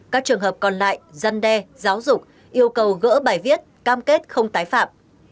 các trường hợp còn lại dân đe giáo dục yêu cầu gỡ bài viết cam kết không tái phạm